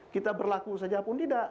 kita berlaku saja pun tidak